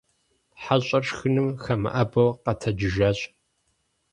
Хьэщӏэр шхыным хэмыӀэбэу къэтэджыжащ.